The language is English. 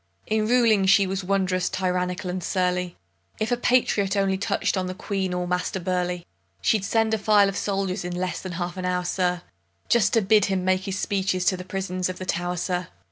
In ruling she was wonderous tyrannical and surly; If a patriot only touch'd on the Queen or Master Burleigh, She'd send a file of soldiers in less than half an hour, sir, Just to bid him make his speeches to the prisons of the Tow'r, sir!